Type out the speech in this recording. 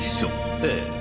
ええ。